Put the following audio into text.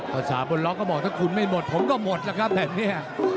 ภาษาบนล็อกก็บอกถ้าคุณไม่หมดผมก็หมดแล้วครับแบบนี้